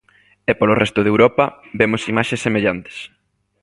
E polo resto de Europa vemos imaxes semellantes.